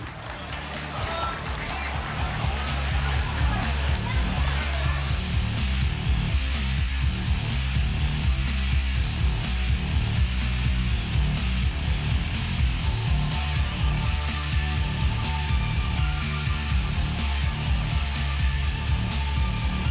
โชลทานอพิริยะพินโยไปในยกที่๔พักสักครู่